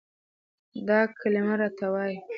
دا کلمه راته وايي،